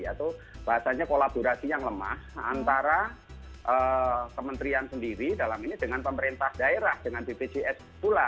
atau bahasanya kolaborasi yang lemah antara kementerian sendiri dalam ini dengan pemerintah daerah dengan bpjs pula